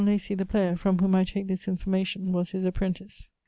John Lacy, the player, from whom I take this information, was his apprentice.